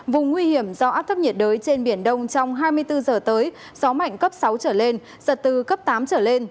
vùng nguy hiểm do áp thấp nhiệt đới trên biển đông trong hai mươi bốn giờ tới gió mạnh cấp sáu trở lên giật từ cấp tám trở lên